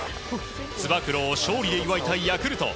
つば九郎を勝利で祝いたいヤクルト。